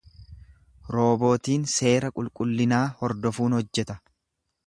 Roobootiin seera qulqullinaa hordofuun hojjeta.